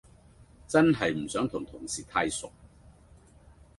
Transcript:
真係唔想同同事太熟